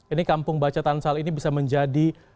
ini kampung baca tansal ini bisa menjadi